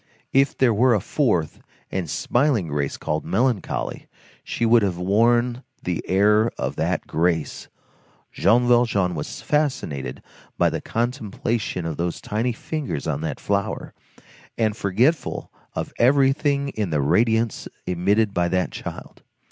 If there were a fourth, and smiling Grace called Melancholy, she would have worn the air of that Grace. Jean Valjean was fascinated by the contemplation of those tiny fingers on that flower, and forgetful of everything in the radiance emitted by that child.